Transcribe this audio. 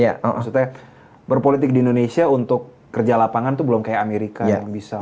maksudnya berpolitik di indonesia untuk kerja lapangan itu belum kayak amerika yang bisa